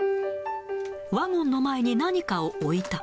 ワゴンの前に何かを置いた。